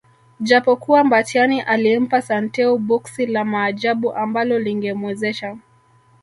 Japokuwa Mbatiany alimpa Santeu boksi la Maajabu ambalo lingemwezesha